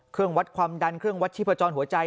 เครื่องวัดความดันเครื่องวัดชีพจรหัวใจ